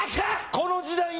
この時代に！？